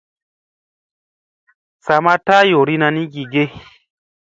Sa ma taa yoorina ni gige.